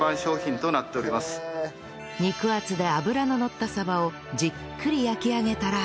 肉厚で脂ののった鯖をじっくり焼き上げたら